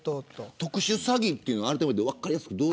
特殊詐欺というのをあらためて分かりやすく。